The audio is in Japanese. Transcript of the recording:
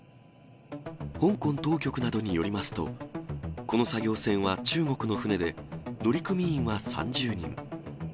香港当局などによりますと、この作業船は中国の船で、乗組員は３０人。